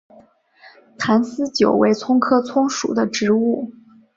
坛丝韭为葱科葱属的植物。